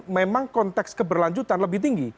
memang konteks keberlanjutan lebih tinggi